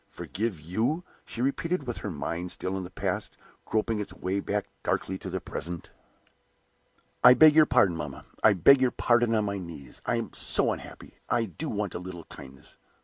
"Forgive you?" she repeated, with her mind still in the past, groping its way back darkly to the present. "I beg your pardon, mamma I beg your pardon on my knees. I am so unhappy; I do so want a little kindness!